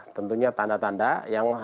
tentunya tanda tanda yang